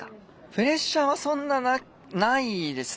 プレッシャーはそんなないですね。